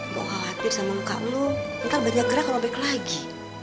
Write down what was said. mau khawatir sama muka lo nanti banyak gerak kalau balik lagi